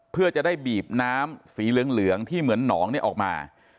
เพื่อจะได้บีบน้ำสีเหลืองที่เหมือนหนองออกมา